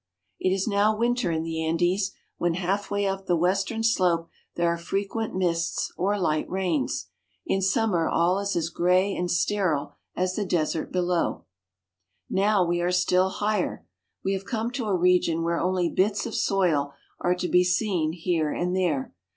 It is now winter in the Andes, when halfway up the western slope there are frequent mists or light rains. In summer all is as gray and sterile as the desert below. UP THE ANDES. 69 Now we are still higher. We have come to a region where only bits of soil are to be seen here and there.